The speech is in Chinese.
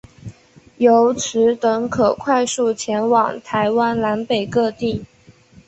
由此等可快速前往台湾南北各地。